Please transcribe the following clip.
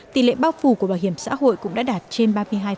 tỷ lệ bao phủ của bảo hiểm xã hội cũng đã đạt trên ba mươi hai